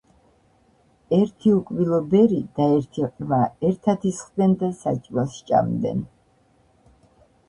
ერთი უკბილო ბერი და ერთი ყრმა ერთად ისხდენ და საჭმელს სჭამდნენ